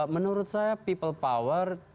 menurut saya people power